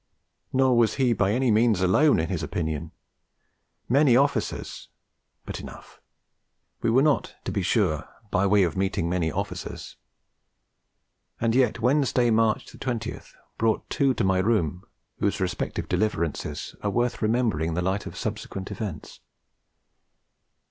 Nor was he by any means alone in his opinion; many officers but enough! We were not, to be sure, by way of meeting many officers. And yet Wednesday, March 20th, brought two to my room whose respective deliverances are worth remembering in the light of subsequent events.